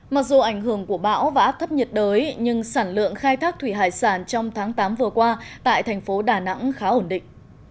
mặc dù ảnh hưởng của bão và áp thấp nhiệt đới nhưng sản lượng khai thác thủy hải sản trong tháng tám vừa qua tại thành phố đà nẵng khá ổn định